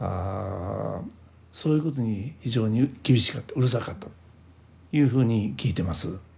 そういうことに非常に厳しかったうるさかったというふうに聞いてます。